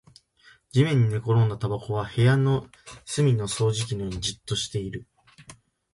地面に寝転んだタバコは部屋の隅の掃除機のようにじっとしている